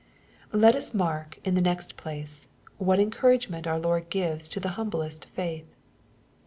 Let us mark, in the next place, what encouragement our Lord gives to the humblest faith.